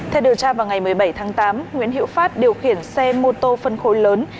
theo điều tra vào ngày một mươi bảy tháng tám nguyễn hiệu phát điều khiển xe mô tô phân khối lớn